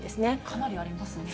かなりありますね。